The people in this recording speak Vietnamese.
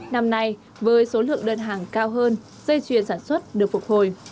năm nay với số lượng đơn hàng cao hơn dây chuyền sản xuất được phục hồi